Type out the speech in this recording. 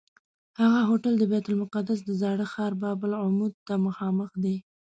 هغه هوټل د بیت المقدس د زاړه ښار باب العمود ته مخامخ دی.